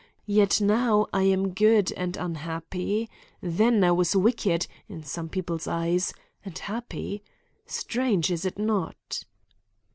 Yet now I am good and unhappy. Then I was wicked, in some people's eyes, and happy. Strange, is it not?"